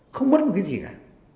không mất một cái gì cả